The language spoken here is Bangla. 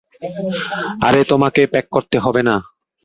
আরে, তোমাকে প্যাক করতে হবে না।